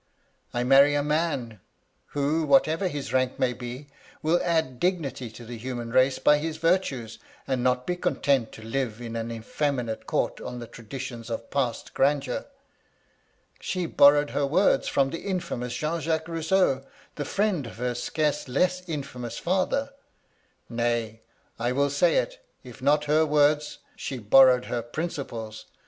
I marry a man who, whatever his rank may be, will add dignity to the human race by his virtues, and not be content to live in an effeminate court on the traditions of past grandeur.' She borrowed her words from the infamous Jean Jacques Rousseau, the friend of her scarce less infamous father, — nay I I will say it,— if not her words, she borrowed her prindples.